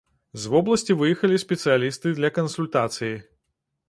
З вобласці выехалі спецыялісты для кансультацыі.